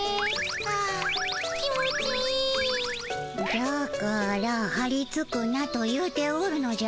じゃからはりつくなと言うておるのじゃ。